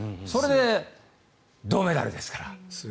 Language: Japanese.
それで銅メダルですから。